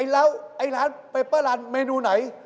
แล้วไอ้ร้านเปเปอร์รันเมนูไหน